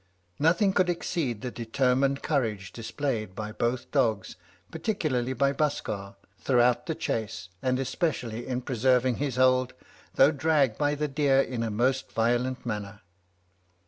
"Nothing could exceed the determined courage displayed by both dogs, particularly by Buskar, throughout the chase, and especially in preserving his hold, though dragged by the deer in a most violent manner."